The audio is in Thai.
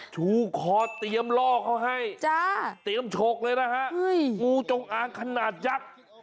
ชูคอเตรียมล่อเขาให้เตรียมฉกเลยนะฮะงูจงอางขนาดยักษ์